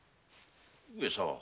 上様。